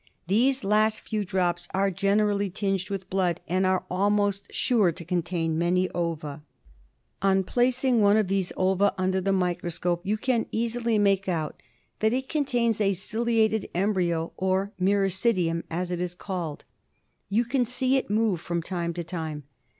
These last few drops are generally tinged with blood, and are almost sure to contain many 54 BILHARZIOSIS. On placing one of these ova under the microscope, you can easily make out that it contains a ciliated embryo or myracidium, as it is called. You can see it move from time to time.